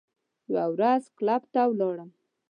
یوه ورځ کلب ته ولاړم.